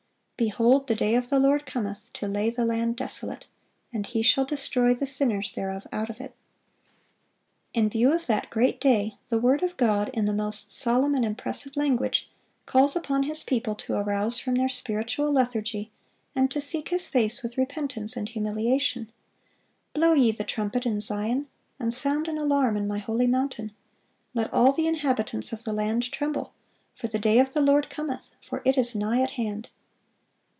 (501) "Behold, the day of the Lord cometh, ... to lay the land desolate: and He shall destroy the sinners thereof out of it."(502) In view of that great day the word of God, in the most solemn and impressive language, calls upon His people to arouse from their spiritual lethargy, and to seek His face with repentance and humiliation: "Blow ye the trumpet in Zion, and sound an alarm in My holy mountain: let all the inhabitants of the land tremble: for the day of the Lord cometh, for it is nigh at hand."